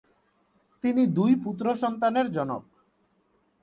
তিনি দুই পুত্র সন্তানের জনক।